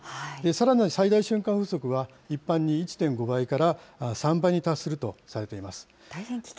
さらに最大瞬間風速は、一般に１．５倍から３倍に達するとされています。